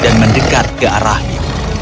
dan mendekat ke arahnya